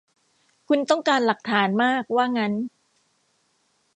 คุณต้องการหลักฐานมากว่านั้น